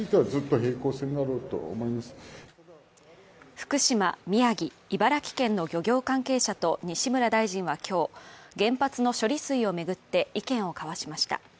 福島、宮城、茨城県の漁業関係者と西村大臣は今日、原発の処理水を巡って意見を交わしました。